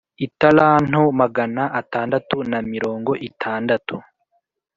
italanto magana atandatu na mirongo itandatu